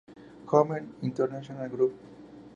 Home Entertainment Group.